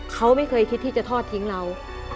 เขาไม่เคยคิดที่จะทอดทิ้งเรา